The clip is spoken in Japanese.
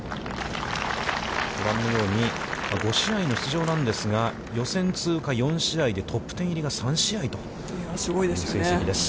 ご覧のように、５試合の出場なんですが、予選通過４試合でトップテン入りが３試合という成績です。